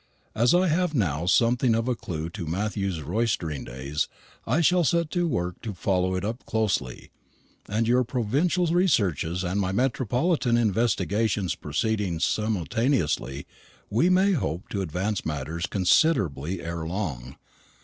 As I have now something of a clue to Matthew's roistering days, I shall set to work to follow it up closely; and your provincial researches and my metropolitan investigations proceeding simultaneously, we may hope to advance matters considerably ere long.